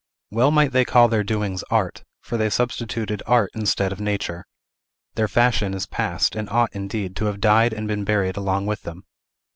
Well might they call their doings "art," for they substituted art instead of nature. Their fashion is past, and ought, indeed, to have died and been buried along with them.